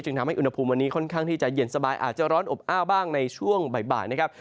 ทำให้อุณหภูมิวันนี้ค่อนข้างที่จะเย็นสบายอาจจะร้อนอบอ้าวบ้างในช่วงบ่ายนะครับ